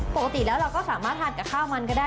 ปกติแล้วเราก็สามารถทานกับข้าวมันก็ได้